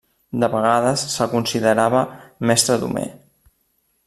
De vegades se'l considerava mestre d'Homer.